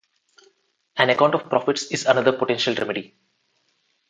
An account of profits is another potential remedy.